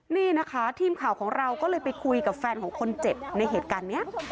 นี่นะคะทีมข่าวของเราก็เลยไปคุยกับแฟนของคนเจ็บในเหตุการณ์นี้